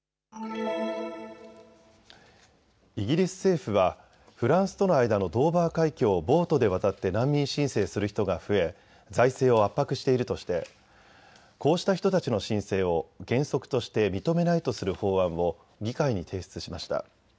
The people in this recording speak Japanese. イギリス政府はフランスとの間のドーバー海峡をボートで渡って難民申請する人が増え財政を圧迫しているとしてこうした人たちの申請を原則として認めないとする法案を議会に提出しました。